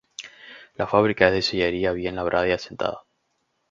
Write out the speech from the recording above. La fábrica es de sillería bien labrada y asentada.